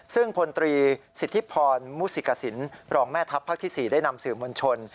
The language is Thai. ซึ่งพลตรีสิทธิพรมุสิกษินรองแม่ทัพภาคที่๔ได้นำสื่อมวลชน